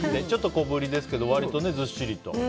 ちょっと小ぶりですけど割とずっしりと。